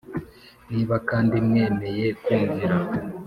Niba kandi mwemeye kumvira,